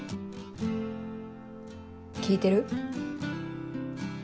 聞いてる？